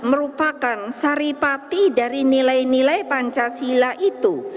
merupakan saripati dari nilai nilai pancasila itu